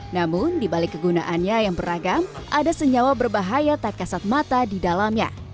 namun dibalik kegunaannya yang beragam ada senyawa berbahaya takasat mata di dalamnya